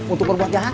untuk berbuat jahat